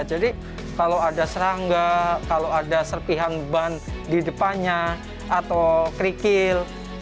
jadi kalau ada serangga kalau ada serpihan ban di depannya atau kerikil